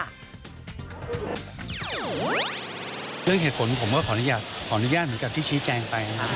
เรื่องเหตุผลผมก็ขออนุญาตขออนุญาตเหมือนกับที่ชี้แจงไปนะครับ